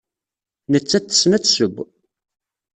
Nettat tessen ad tesseww.